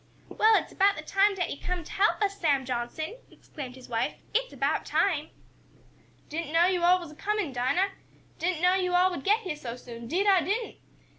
"Well, it's about time dat yo' come t' help us, Sam Johnson!" exclaimed his wife. "It's about time!" "Didn't know yo' all was a comin', Dinah! Didn't know yo' all would get heah so soon, 'deed I didn't!"